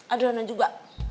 aduh anak juga